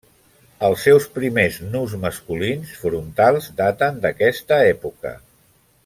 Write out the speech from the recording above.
Els seus primers nus masculins, frontals, daten d'aquesta època.